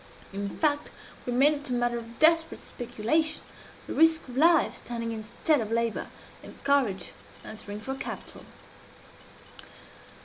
In fact, we made it a matter of desperate speculation the risk of life standing instead of labor, and courage answering for capital.